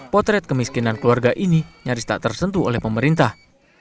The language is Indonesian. potret kemiskinan keluarga ini nyaris tak tersentuh oleh pemerintah